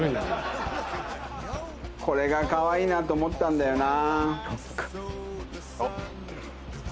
これがカワイイなと思ったんだよな。